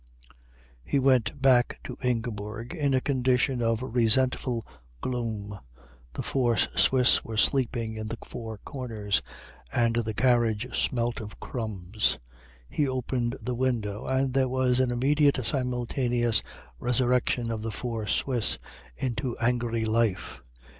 He went back to Ingeborg in a condition of resentful gloom. The four Swiss were sleeping in the four corners, and the carriage smelt of crumbs. He opened the window, and there was an immediate simultaneous resurrection of the four Swiss into angry life.